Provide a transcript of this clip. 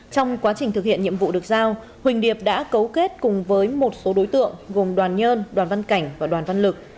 trong quá trình thực hiện nhiệm vụ được giao huỳnh điệp đã cấu kết cùng với một số đối tượng gồm đoàn nhơn đoàn văn cảnh và đoàn văn lực